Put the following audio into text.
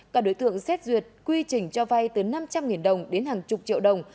các đối tượng xét duyệt quy trình cho vay từ năm trăm linh đồng đến hàng chục triệu đồng